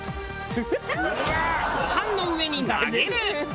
ご飯の上に投げる。